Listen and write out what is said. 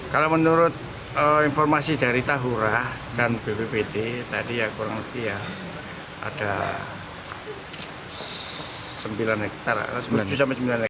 kalau menurut informasi dari tahura dan bppt tadi kurang lebih ada sembilan hektar